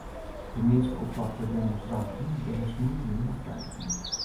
De measte oppakte demonstranten binne sneontejûn wer frijlitten.